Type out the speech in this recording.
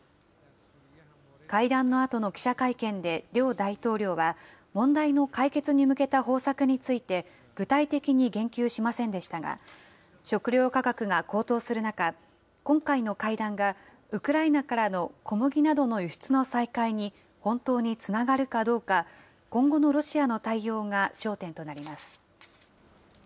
会談のあとの記者会見で両大統領は、問題の解決に向けた方策について、具体的に言及しませんでしたが、食料価格が高騰する中、今回の会談が、ウクライナからの小麦などの輸出の再開に本当につながるかどうか、今後のロシアの対応が焦点となります。